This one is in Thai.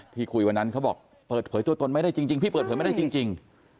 คุยวันนั้นเขาบอกเปิดเผยตัวตนไม่ได้จริงพี่เปิดเผยไม่ได้จริง